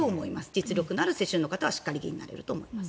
実力のある世襲の方はしっかり議員になれると思います。